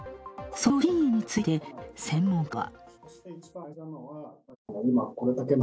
その真意について、専門家は。